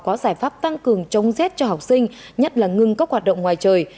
có giải pháp tăng cường chống rét cho học sinh nhất là ngưng các hoạt động ngoài trời